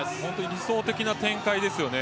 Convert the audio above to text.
理想的な展開ですよね。